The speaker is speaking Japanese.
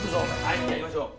はいやりましょう。